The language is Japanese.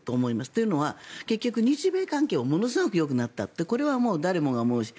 というのは、結局、日米関係はものすごくよくなったってこれは誰もが思うし。